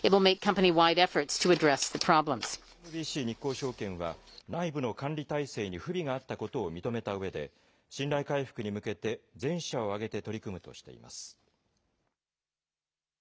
ＳＭＢＣ日興証券は、内部の管理体制に不備があったことを認めたうえで、信頼回復に向けて、全社を挙げて取り組むとしています。